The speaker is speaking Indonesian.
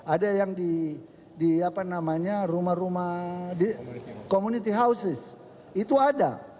ada yang di apa namanya rumah rumah di community houses itu ada